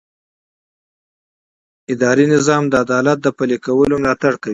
اداري نظام د عدالت د پلي کولو ملاتړ کوي.